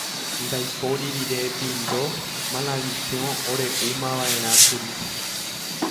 Ndaipóri rire Pindo Malavisiõ ore'úmava'erãkuri.